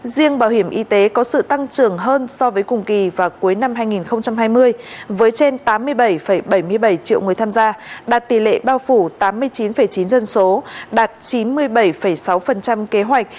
riêng bảo hiểm y tế có sự tăng trưởng hơn so với cùng kỳ vào cuối năm hai nghìn hai mươi với trên tám mươi bảy bảy mươi bảy triệu người tham gia đạt tỷ lệ bao phủ tám mươi chín chín dân số đạt chín mươi bảy sáu kế hoạch